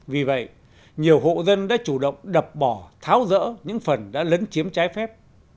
vì vậy nhiều hộ dân đã chủ động đập bỏ tháo rỡ những phần đã lấn chiếm trái phép